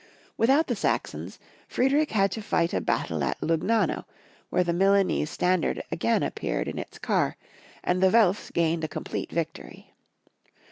Without the Saxons, Friedrich had to fight a battle at Lugnano, where the Milanese standard again appeared in its car, and the Welfs gained a complete victory.